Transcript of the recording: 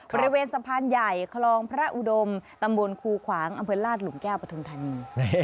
บริเวณสะพานใหญ่คลองพระอุดมตำบลคูขวางอำเภอลาดหลุมแก้วปฐุมธานี